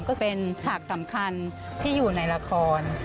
ก็เป็นฉากสำคัญที่อยู่ในละคร